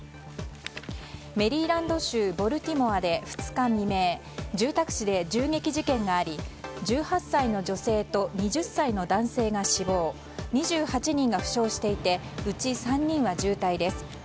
メリーランド州ボルティモアで２日未明住宅地で銃撃事件があり１８歳の女性と２０歳の男性が死亡２８人が負傷していてうち３人は重体です。